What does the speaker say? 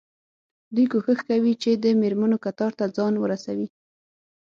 دوی کوښښ کوي چې د مېرمنو کتار ته ځان ورسوي.